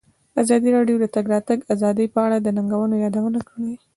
ازادي راډیو د د تګ راتګ ازادي په اړه د ننګونو یادونه کړې.